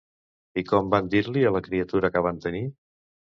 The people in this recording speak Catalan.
I com van dir-li a la criatura que van tenir?